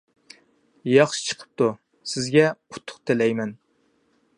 ياخشى چىقىپتۇ، سىزگە ئۇتۇق تىلەيمەن.